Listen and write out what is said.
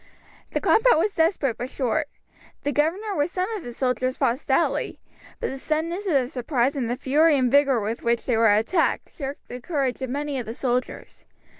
The combat was desperate but short. The governor with some of his soldiers fought stoutly, but the suddenness of the surprise and the fury and vigour with which they were attacked shook the courage of many of the soldiers.